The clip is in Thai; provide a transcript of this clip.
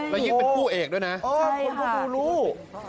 มายิกเป็นคู่เอกด้วยนะอ๋อคนดูรู้